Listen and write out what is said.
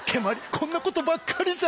こんなことばっかりじゃ！